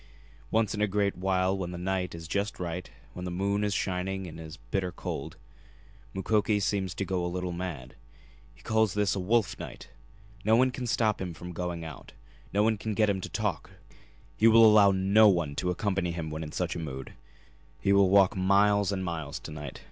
Once in a great while when the night is just right, when the moon is shining and it is bitter cold, Mukoki seems to go a little mad. He calls this a 'wolf night.' No one can stop him from going out; no one can get him to talk; he will allow no one to accompany him when in such a mood. He will walk miles and miles to night.